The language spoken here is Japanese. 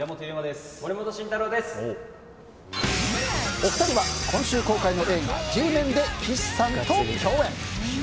お二人は今週公開の映画「Ｇメン」で、岸さんと共演。